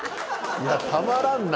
いやたまらんな！